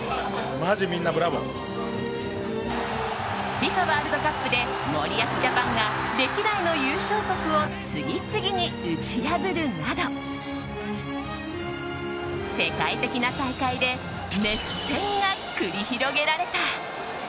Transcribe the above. ＦＩＦＡワールドカップで森保ジャパンが歴代の優勝国を次々に打ち破るなど世界的な大会で熱戦が繰り広げられた。